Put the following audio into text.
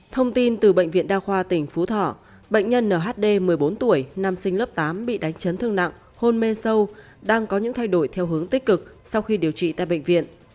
thông tin từ bệnh viện đa khoa tỉnh phú thọ bệnh nhân nhd một mươi bốn tuổi nam sinh lớp tám bị đánh chấn thương nặng hôn mê sâu đang có những thay đổi theo hướng tích cực sau khi điều trị tại bệnh viện